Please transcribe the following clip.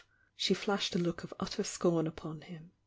She flashed a look of utter scorn upon him.